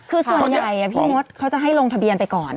คือส่วนใหญ่พี่มดเขาจะให้ลงทะเบียนไปก่อน